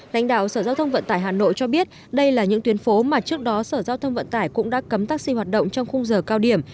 lãnh đạo sở giao thông vận tải hà nội cho biết đây là những tuyến phố mà trước đó sở giao thông vận tải cũng đã cấm taxi hoạt động trong khung giờ cao điểm